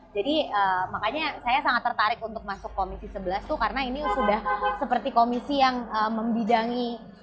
jadi makanya saya sangat tertarik untuk masuk komisi sebelas tuh karena ini sudah seperti komisi yang membidangi